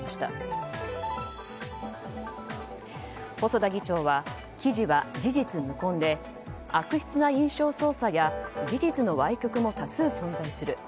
細田議長は記事は事実無根で悪質な印象操作や事実の歪曲も多数存在する。